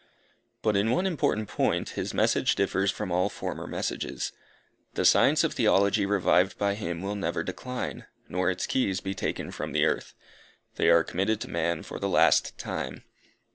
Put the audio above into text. But in one important point his message differs from all former messages. The science of Theology revived by him will never decline, nor its keys be taken from the earth. They are committed to man for the last time.